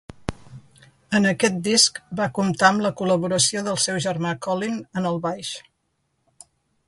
En aquest disc va comptar amb la col·laboració del seu germà Colin en el baix.